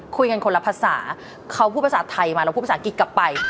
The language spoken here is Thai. คุยกันคนละภาษาเขาพูดภาษาไทยมาเราพูดภาษาอังกฤษกลับไป